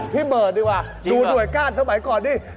พี่เบิร์ดดีกว่าดูด่วยก้านเท่าไหร่ก่อนนี่